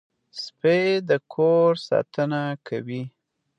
سپي د کور ساتنه کوي.